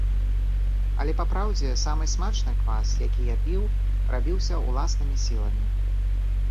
Але папраўдзе самы смачны квас, які я піў, рабіўся ўласнымі сіламі.